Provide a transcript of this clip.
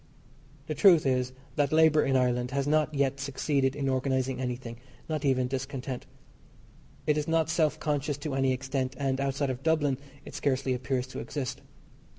The truth is that labour in Ireland has not yet succeeded in organising anything not even discontent. It is not self conscious to any extent, and, outside of Dublin, it scarcely appears to exist.